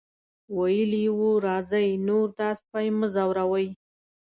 ویلي یې وو راځئ نور دا سپی مه ځوروئ.